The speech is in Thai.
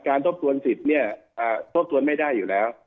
การทบสวนสิทธิ์ทบสวนไม่ได้อยู่แล้ว